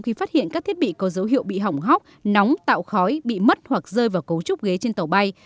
khi phát hiện các thiết bị có dấu hiệu bị hỏng hóc nóng tạo khói bị mất hoặc rơi vào cấu trúc ghế trên tàu bay